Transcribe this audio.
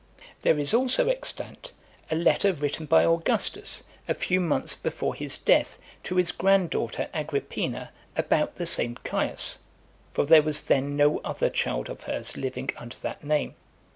There is also extant a letter written by Augustus, a few months before his death, to his granddaughter Agrippina, about the same Caius (for there was then no other child of hers living under that name).